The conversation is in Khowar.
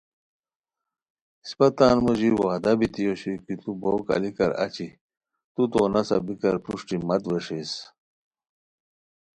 اسپہ تان موژی وعدہ بیتی اوشوئے کی تو بوک الیکار اچی تو نسہ بیکار پروشٹی مت ویݰیس